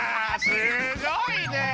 すごいね！